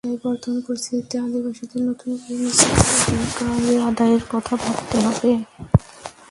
তাই বর্তমান পরিস্থিতিতে আদিবাসীদের নতুন করে নিজেদের অধিকার আদায়ের কথা ভাবতে হবে।